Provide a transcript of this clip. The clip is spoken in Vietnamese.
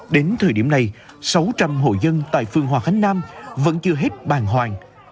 đến thời điểm này sáu trăm linh hộ dân tại phường hòa khánh nam vẫn chưa hết bàn hoàng